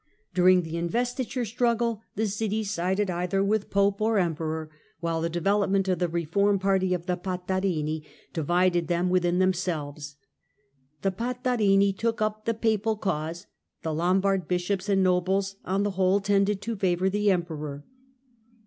During the investiture struggle the cities sided either with Pope or Emperor, while the development of the reform party of the Patarini divided them within themselves (see p. 74). The Patarini took up the papal cause; the Lombard bishops and nobles, on the whole, tended to favour the Emperor.